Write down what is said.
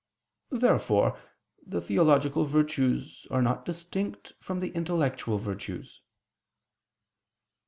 Therefore the theological virtues are not distinct from the intellectual virtues.